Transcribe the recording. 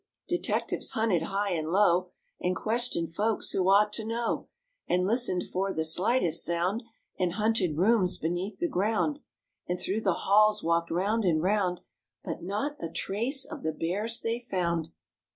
Detectives hunted high and low And questioned folks who ought to know, And listened for the slightest sound And hunted rooms beneath the ground, And through the halls walked round and round, But not a trace of the Bears they found.